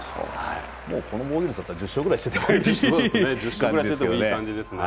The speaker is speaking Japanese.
この防御率だったら１０勝くらいしててもいい感じですね。